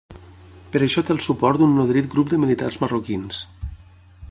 Per a això té el suport d'un nodrit grup de militars marroquins.